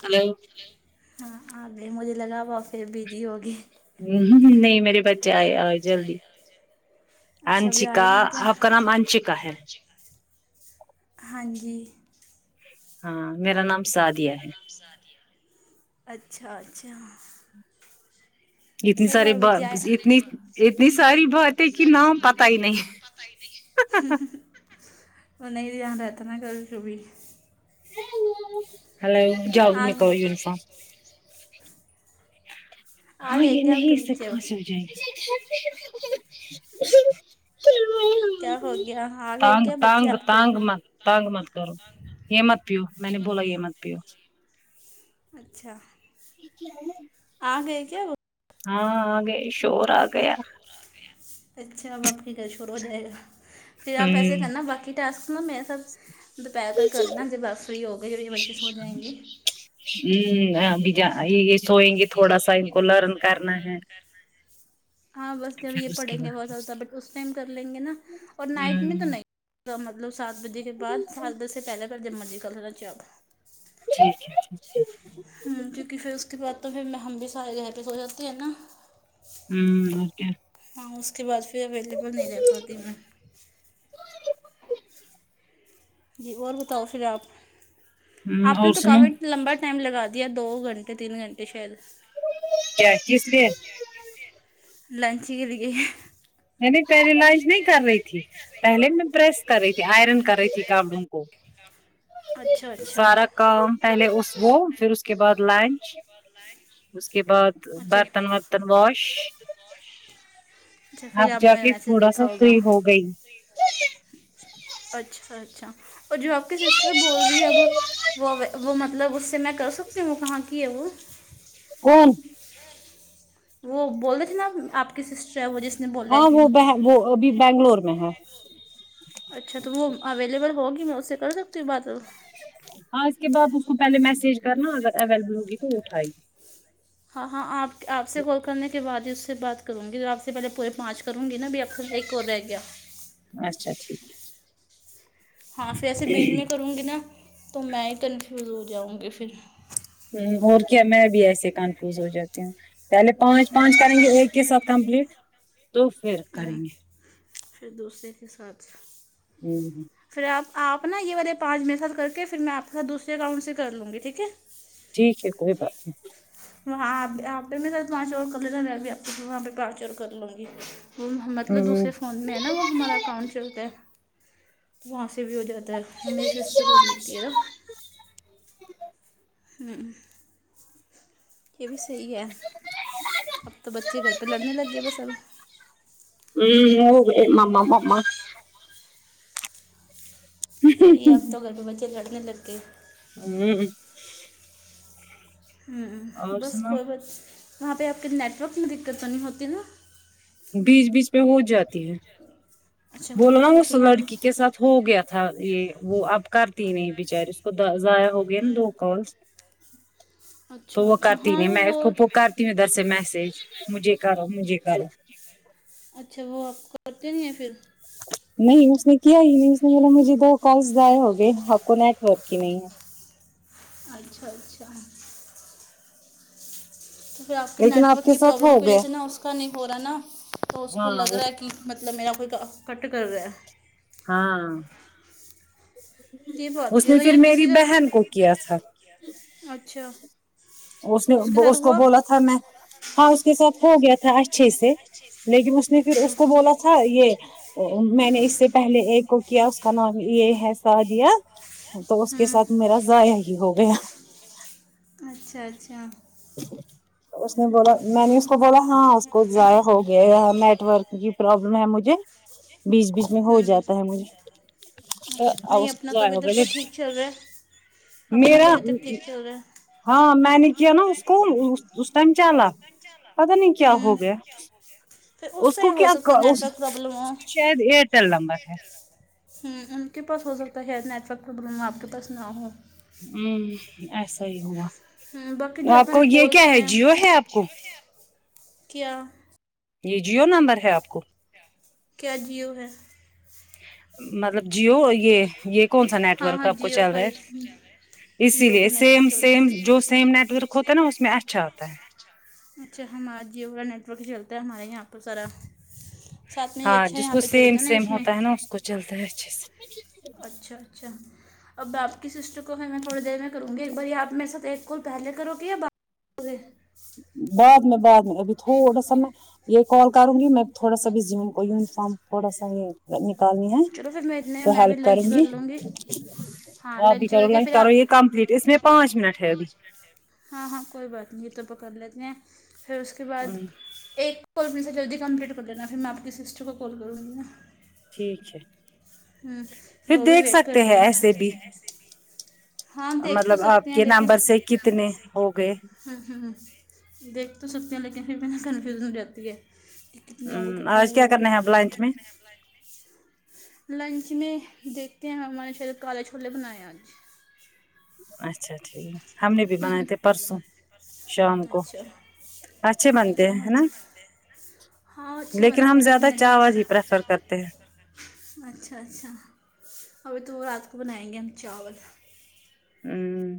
hello ہاں آ گے مجھے لگا ہوا پھر بزی ہوگی ہ نہیں میرے بچے آئے آئے جلدی اچھا ابھی آئے آنشکا نہیں کیا آپ کا نام آنشکا ہے ہاں جی ہاں میرا نام سعدیہ ہے اچھا اچھا اتنی صحیح ساری اور با بچے ہے ارے اتنی ب اتنی ساری اتنی باتیں کہ ساری نام بات پتا ہے ہی کہ نہ نہیں پتا ہی نہیں ہے وہ نہیں دھیان رہتا نا کبھی کبھی ہیلو جاؤ آ نکلو یوننیفارم آ ہاں گئے یہ کیا آپ نہیں کے اس سے بچے کھاسی ہو جائے گی کیا ہو گیا آ گئے کیا بچے آپ کے ہو تنگ مت کرو یہ مت پیو میں نے بولا یہ مت پیو اچھا یہ کیا ہے آ گئے کیا وہ ہاں آ گئے شور آ گیا اچھا اب آپ کے گھر شروع ہو جائے گا پھر آپ ایسے ہمم کرنا باقی ٹاسک نا میں سب دوپھر کو کرنا جب آپ فری ہو گئے جبھی بچے سوجاینگے یہ ابھی کیا یہ سوئیں گے تھوڑا سا ان کو لرن کرنا ہے ہاں بس جب یہ پھر اس کے پڑھیں گے بہت بعد زیادہ بٹ اس ٹائم کر لیں گے نا اور نائٹ میں تو ہمم نہیں کا مطلب سات بجے کے بعد سات بجے سے پہلے گھر جمنی کل رچ آب ٹھیک ہے کیونکہ پھر اس کے بعد تو پھر ہم بھی سارے گھر پہ سو جاتے ہیں نا امم اوکے ہاں اس کے بعد پھر اویلیبل نہیں رہ پاتی میں جی اور بتاؤ پھر آپ ہ آپ نے اور تو سنو کافی لمبا ٹائم لگا دیا دو گھنٹے تین گھنٹے شاید کیا کس لیے لنچ ہی کے لیے نےنی پہلے لنچ نہیں کر رہی تھی پہلے میں پریس کر رہی تھی آئرن کر رہی تھی کاپڑوں کو اچھا اچھا سارا کام پہلے اس وہ پھر اس کے بعد لنچ اس کے بعد اچھا برتن ورتن واش اچھا پھر اب آپ نے جا میرا کے میسج تھوڑا سا دیکھا ہوگا فری ہو گئی اچھا اچھا اور جو آپ کی سسٹر بول رہی ہے اب وہ وہ مطلب اس سے میں کر سکتی ہوں کہاں کی ہے وہ کون وہ بول رہ تھے نا آپ کی سسٹر ہے وہ جس نے بہت ہاں وہ وہ ابھی بنگلور میں ہے اچھا تو وہ اویلیبل ہوگی میں اسے کر سکتی ہوں بات ہاں اس کے بعد اس کو پہلے میسج کرنا اگر اویلیبل ہوگی تو وہ اٹھائے گی ہاں ہاں آپ آپ سے کال کرنے کے بعد ہی اس سے بات کروں گی تو آپ سے پہلے پورے پانچ کروں گی نا اب ہے ایک کر گیا اچھا ٹھیک ہے ہاں پھر ایسے بیچ میں کروں گی نا تو میں ہی کنفیوز ہو جاؤں گی پھر اور کیا میں بھی ایسے کنفیوز ہو جاتی ہوں پہلے پانچ پانچ کریں گے ایک کے ساتھ کمپلیٹ تو پھر کریں امم گے پھر دوسرے کے ساتھ امم پھر آپ آپ نا یہ والے پانچ میرے ساتھ کر کے پھر میں آپ کےساتھ دوسرے اکاؤنٹ سے کر لوں گی ٹھیک ہے ٹھیک ہے کوئی بات نہیں وہاں آپ آپ پہ میر پانچ اور کر لینا میں بھی آپ وہاں پہ پانچ اور کر لوں گی وہ مطلب دوسرے فون میں ہے نا وہ ہمارا اکاؤنٹ چلتا ہے تو وہاں سے بھی ہو جاتا ہے میری سسٹر کر لیتی ہے نا امم یہ بھی صحیح ہے اب تو بچے گھر پہ لڑنے لگ گے بس اب امم ہوگے مما مما صحیح ہے اب تو گھر پہ بچے لڑنے لگںے امم امم اور بس سنا کوئی بات وہاں پہ آپ کے نیٹورک میں دقت تو نہیں ہوتی نا بیچ بیچ پہ ہو جاتی ہے اچھا بولونا ہوتی ہے اس کہ یہاں لڑکی کے ساتھ ہو گیا تھا یہ وہ اب کرتی نہیں بچاریے اس کو ضائع ہو گیا نا دو کالس اچھا اچھا ہاں وہ بول کی مے دس سے میسج مجھے کرو مجھے کرو اچھا وہ آپ کو کرتے نہیں ہیں پھر نہیں اس نے کیا ہی نہیں اس نے بولا مجھے دو کالس دائ ہو گئے آپ کو نیٹ ورک کی نہیں ہے اچھا اچھا تو پھر آپ کے لیکن نیٹ آپ ورک کے کی ساتھ پرابلم ہو کی وجہ گیا سے نا اس کا نہیں ہو رہا ہے نا تو اس کو ہاں لگ وہ رہا ہے کہ مطلب میرا کوئی کا کٹ کر رہا ہے ہاں یہ بات اس ہے نے گا یا پھر میری کسی کا بہن کو کیا تھا اچھا اس نے کے ساتھ اس کو ہوا بولا تھا میں ہاں اس کے ساتھ ہو گیا تھا اچھے سے لیکن اس نے پھر اچھا اس کو بولا تھا یہ میں نے اس سے پہلے ایک کو کیا اس کا نام یہ ہے س دیا تو اس کے ہوں ساتھ میرا ضائع ہی ہو گیا اچھا اچھا اس نے بولا میں نے اس کو بولا ہاں اس کو ضائع ہو گیا نیٹ ورک کی پرابلم ہے مجھے بیچ بیچ میں ہو ہوں جاتا ہے مجھے اچھا نہیں اس کو اپنا تو ضائع ابھی ہو تک تو گیا ٹھیک چل رہا ہے اپنا تو میرا ابھی تک ٹھیک چل رہا ہے ہاں میں نے کیا نا اس کو اس ٹائم چلا پتا نہیں کیا ہوں ہو گیا پھر اس کو سائڈ ہو کیا سکتا ہے اس نیٹ ورک پرابلم ہو کو شاید ایئرٹیل نمبر ہے ھمم ان کے پاس ہو سکتا نیٹورک پرابلم ہو آپ کے پاس نہ ہو ھمم ایسا ہی ہوا باقی جو آپ نے کو یہ کال کیا کیے ہے ہیں جیو ہے آپ کو کیا یہ جیو نمبر ہے آپ کو کیا جیو ہے مطلب جیو یہ یہ کون سا ہاں نیٹورک ہاں آپ کو جیو چل کا رہا ہے ہی اسی جیو کا لیے نیٹ ورک سیم چلتا سیم جو سیم ہے نیٹ ورک ہوتا ہے نا اس میں اچھا ہوتا ہے اچھا ہمارا جیو کا نیٹ ورک چلتا ہے ہمارے یہاں پر سارا ساتھ میں یہ اچھا یہاں پہ چلتا نا اس میں تو چلتاہ ہے اچھے سے اچھا اچھا اب آپ کی سسٹر کو ہے نہ تھوڑی دیر میں کروں گی ایک بار آپ میرے ساتھ ایک کول پہلے کرو گے یا باد کرو گے بعد میں بعد میں ابھی تھوڑا سا میں یہ کال کروں گی میں تھوڑا سا بزی ہوں یونیفارم تھوڑا سا یہ نکالنی ہے چلو پھر میں اتنے تو میں بھی ہیلپ لنچ کروں کر گی لوں ہاں آپ بھی لنچ کرو کر کے لائن پھر کرو آپ یہ کمپلیٹ اس میں پانچ منٹ ہے ابھی ہاں ہاں کوئی بات نہیں یہ تو پکڑ لیتے ہیں پھر اس کے بعد ایک کال پلیزر جلدی کمپلیٹ کر لینا پھر میں آپ کی سسٹر کو کال کروں گی نا ٹھیک ہے پھر وہ بھی دیکھ ویٹ کر سکتے رہی ہیں ایسے بھی ہاں دیکھ تو مطلب آپ سکتے ہیں کے نمبر سے کتنے ہو گئے ھمممم دیکھ تو سکتے ہیں لیکن پھر مے کنفیوز ہو جاتی ہے کتنی ہ ہو گے کتنی آج نہیں کیا ہوے کرنا ہے اب لنچ میں لنچ میں دیکھتے ہیں ہمارے شاید کالے چھولے بنائے آج اچھا ٹھیک ہم نے بھی بنائے تھے پرسوں شام کو اچھا اچھے بنتے اچھا ہیں ہے ہم نا ہاں اچھے لیکن ہم بنتے ہیں زیادہ میں تھوڑا چاول ہی سا پریفر کرتے ہیں اچھا اچھا ابھی تو رات کو بنائیں گے ہم چاول ھممم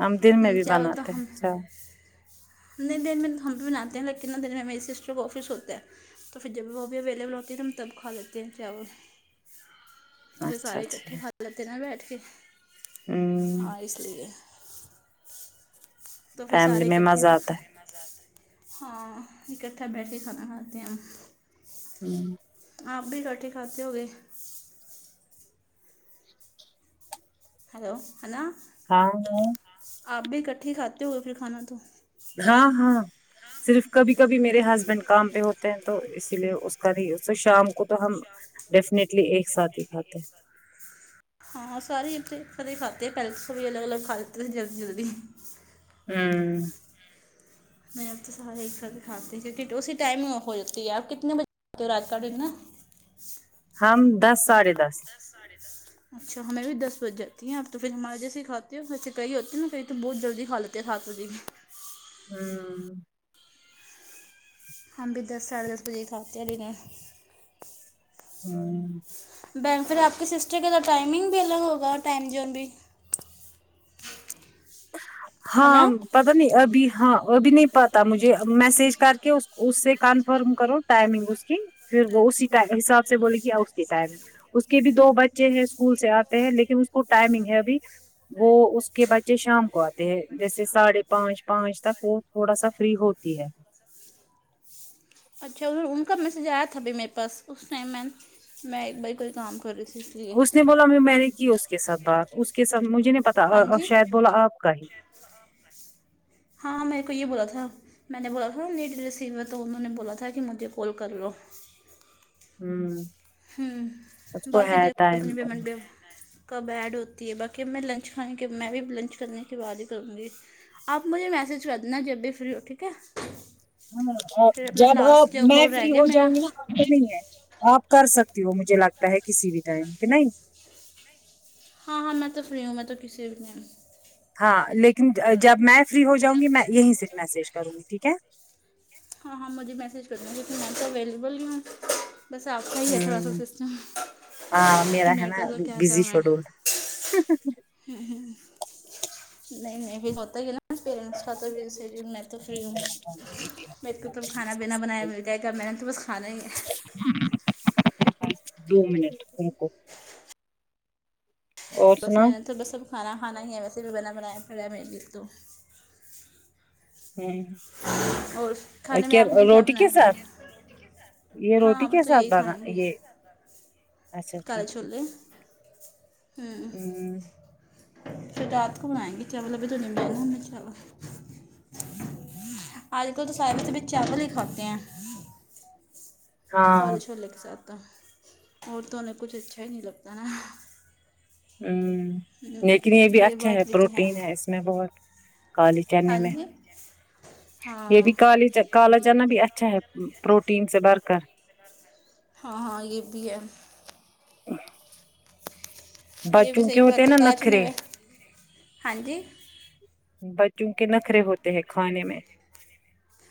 ہم دن میں بھی چاول بناتے ہیں چاول اتنے دیر میں ہم بھی بناتے ہیں لیکن دیر میں میری سسٹر کو آفس ہوتا ہے تو پھر جب وہ بھی اویلیبل ہوتی ہے تو ہم تب کھا لیتے ہیں چاول تو پھر اچھا سارے اکھٹے اچھا کھا لتے نہ بیٹھ کے ہ ہاں اس لیے تو پھر فیملی سارے میں اکھٹے مزہ آتا ہاں اکٹھا بیٹھ کے کھانا کھاتے ہیں ہوں آپ بھی اکھٹے کھاتے ہو گئے ہیلو ہیلو ہاں ہاں آپ بھی اکٹھے کھاتے ہوگئے کھانا تو ہاں ہاں صرف کبھی کبھی میرے ہسبینڈ کام پہ ہوتے ہیں تو اسی لیے اس کا بھی شام کو تو ہم ڈیفنیٹلی ایک ساتھ ہی کھاتے ہیں ہاں سارے سے کاتے پلس کوی بھی الگ الگ کھالتے جلدی جلدی ہمم میں آب تو سارے ایک سات کھاتی اسی ٹائم ہو جاتی ہے آپ کتنے بجے کھاتے ہو رات کاٹا ہم دس ساڑھے دس سارے دس اچھا ہمے بھی دس بج جاتی ہیں آپ تو پھر ہمار جسے کھاتے ہیں ویسے کہی ہوتے نا کہیں تو بہت جلدی کھا لیتے ہیں سات جی ہمم ہم بھی دس ساڑھے دس بجے کھاتے ہیں ڈنر ہاں بہن پھر آپ کے سسٹر کے تو ٹائمنگ بھی الگ ہوگا اور ٹائم جوون بھی ہے ہاں نا پتہ نہیں ابھی ہاں ابھی نہیں پتا مجھے میسج کر کے اس سے کنفرم کرو ٹائمنگ اس کی پھر وہ اسی حساب سے بولے گ اس کی ٹائمنگ اس کے بھی دو بچے ہیں اسکول سے آتے ہیں لیکن اس کو ٹائمنگ ہے ابھی وہ اس کے بچے شام کو آتے جیسے ساڑھے پانچ پانچ تک وہ تھوڑا سا فری ہوتی ہے اچھا پھر ان کا میسج آیا تھا بھی میرے پاس اس ٹائم میں نے میں ایک باری کوئی کام کر رہی تھی لیے اس نے بولا میں نے کی اس کے ساتھ بات اس کے ساتھ مجھے نہیں پتا ہاں جی شاید بولا آپ کا ہی ہاں میرے کو یہ بولا تھا میں نے بولا تھ ایک ڈریس سیدو تو انہوں نے بولا تھا کہ مجھے کال کر لو ہوں ہوں اس کو باقی ہے ٹائم اپنی منڈے [unintelligible] کب ایڈ ہوتی ہے باقی میں لنچ کھانے کے میں بھی لنچ کرنے کے بعد ہی کروں گی آپ مجھے میسج کر دینا جب بھی فری ہو ٹھیک ہے ہاں پھر اپنا جب لاسٹ جو میں کال رہ فری گیا ہو میرا جاؤں گی نا یہ نہیں ہے آپ کر سکتی ہو مجھے لگتا ہے کسی بھی ٹائم کہ نہیں ہاں ہاں میں تو فری ہوں میں تو کسی بھی ہوں ہاں لیکن جب میں فری ہو جاؤں گی میں یہیں سے میسج کروں گی ٹھیک ہے ہاں ہاں مجھے میسج کر دوں لیکن میں تو اویلیبل ہی ہوں بس آپ کا ہی ہے تھوڑا سا ہوں سسٹم ہاں پھر میرا میرے کو تو کیا کرم ہے ہی ہی ہی نہیں نہیں پھر ہوتا ہی نا پیررینٹس خاتر بھی سرین ن تو فری ہوں میرے کو تو کھانا پینا بنایا مل جائے گا میں نے تو بس کھانا ہی ہے دو منٹ روکو اور بس سناؤ میں نے تو بس اب کھانا کھانا ہی ہے ویسے بھی بنا بنایا پڑا میرے تو ہوں اور کھانے میں آپ نے کیا روٹی کے بنایا تھا ساتھ یہ ہاں روٹی اب کے تو ساتھ یہی بنا کھائیں گے یہ اچھا کال ٹھیک چھولے ہوں پھر رات کو بنائیں گے چاول ابھی تو نہیں بنائے ہمنے چاول آج کل تو سارے تو اب چاول ہی کھاتے ہیں [unintelligible] ہاں انہیں کچھ اچھا ہی نہیں لگتا نا ہمم لیکن یہ بھی اچھا بات ہے بھی تو پروٹین ہے اس میں بہت کالی چنے ہاں میں جی یہ ہاں بھی کالی چی کالا چنا بھی اچھا ہے پروٹین سے بڑھ کر ہاں ہاں یہ بھی ہے یہ بھی بچوں کے صحیح ہوتے ہیں بات نا کالا چنا نخرے وہ ہاں جی بچوں کے نخرے ہوتے ہیں کھانے میں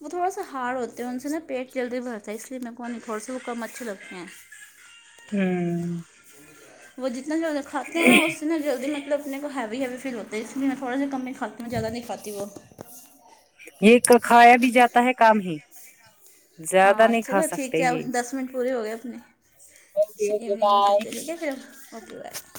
وہ تھوڑا سا ہارڈ ہوتے ہیں ان سے نا پیٹ جلدی بھرتا ہے اس لیے میرے کو نہیں تھوڑے سے وہ کم اچھے لگتے ہیں ہوں وہ جتنا جلد کھاتے ہیں نا اس سے نا جلدی مطلب اپنے کو ہیوی ہیوی فیل ہو ہے اس لیے میں تھوڑا سا کم ہی کھاتی ہوں زیادہ نہیں کھاتی وہ یہ کہہ کھایا بھی جاتا ہے کام ہی ہاں زیادہ نہیں کھا چلو ٹھیک سکتے ہے یہ دس منٹ پورے ہو گئے اپنی اوکے اوکے ایوننگ میں بائے کرتے ٹھیک ہے پھر اوکے بائے